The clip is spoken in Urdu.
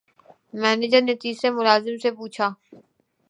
منیجر نے تیسرے ملازم سے پوچھا